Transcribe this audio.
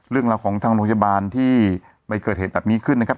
เรื่องราวของทางโรงพยาบาลที่ไปเกิดเหตุแบบนี้ขึ้นนะครับ